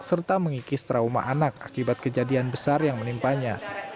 serta mengikis trauma anak akibat kejadian besar yang menimpanya